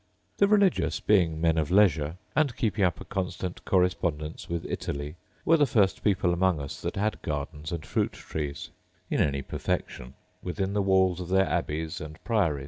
The religious, being men of leisure, and keeping up a constant correspondence with Italy, were the first people among us that had gardens and fruit trees in any perfection, within the walls of their abbies* and priories.